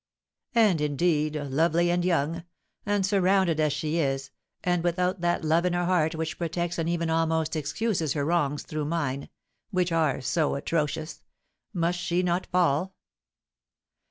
And, indeed, lovely and young, and surrounded as she is, and without that love in her heart which protects and even almost excuses her wrongs through mine, which are so atrocious, must she not fall?